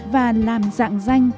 và làm dạng danh